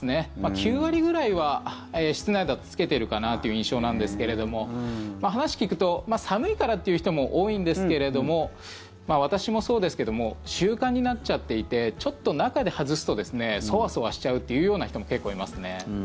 ９割ぐらいは室内だと着けてるかなという印象なんですけれども話聞くと、寒いからって言う人も多いんですけれども私もそうですけども習慣になっちゃっていてちょっと中で外すとそわそわしちゃうっていう人も結構いますね。